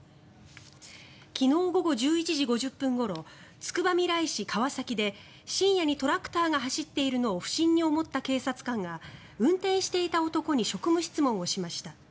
昨日午後１１時５０分ごろつくばみらい市川崎で深夜にトラクターが走っているのを不審に思った警察官が運転していた男に職務質問をしました。